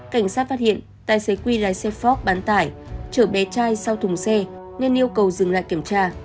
cảnh sát phát hiện tài xế quy lái xe forb bán tải chở bé trai sau thùng xe nên yêu cầu dừng lại kiểm tra